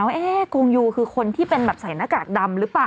ว่ากงยูคือคนที่เป็นแบบใส่หน้ากากดำหรือเปล่า